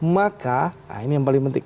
maka ini yang paling penting